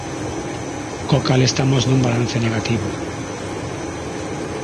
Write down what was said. Co cal estamos nun balance negativo.